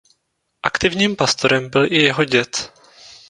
Aktivním pastorem byl i jeho děd.